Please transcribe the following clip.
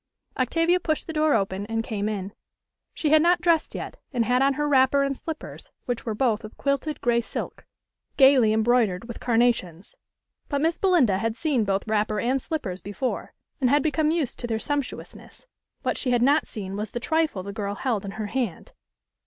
Octavia pushed the door open, and came in. She had not dressed yet, and had on her wrapper and slippers, which were both of quilted gray silk, gayly embroidered with carnations. But Miss Belinda had seen both wrapper and slippers before, and had become used to their sumptuousness: what she had not seen was the trifle the girl held in her hand.